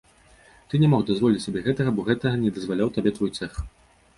Ты не мог дазволіць сабе гэтага, бо гэтага не дазваляў табе твой цэх.